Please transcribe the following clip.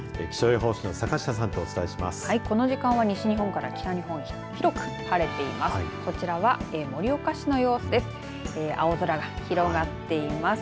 はい、この時間は西日本から北日本、広く晴れています。